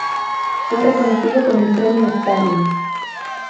Fue reconocido con el premio Stalin.